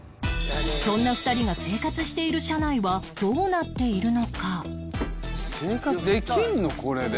そんな２人が生活している車内はどうなっているのか？